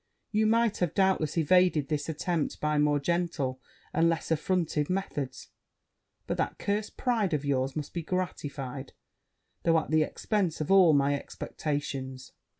You might have doubtless evaded this attempt by more gentle and less affrontive methods: but that cursed pride of yours must be gratified, though at the expence of all my expectations.'